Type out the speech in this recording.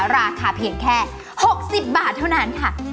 ราคาเพียงแค่๖๐บาทเท่านั้นค่ะ